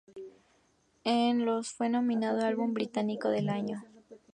En los fue nominado a "Álbum Británico del Año".